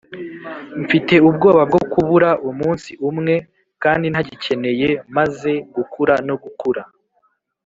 mfite ubwoba bwo kubura umunsi umwe, kandi ntagikeneye, amaze gukura no gukura